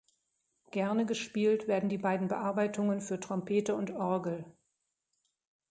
Gerne gespielt werden die beiden Bearbeitungen für Trompete und Orgel